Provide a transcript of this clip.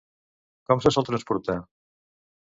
Com se sol transportar?